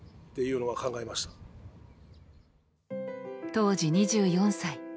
当時２４歳。